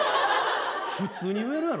普通に言えるやろ。